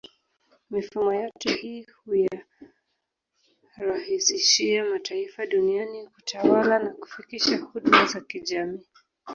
Mifumo yote hii huyarahisishia mataifa duniani kutawala na kufikisha huduma za kijamii